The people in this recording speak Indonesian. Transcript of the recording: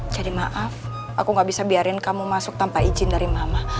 jadi maaf aku gak bisa biarin kamu masuk tanpa izin dari mama